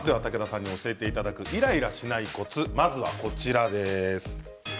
武田さんに教えていただくイライラしないコツまずはこちらです。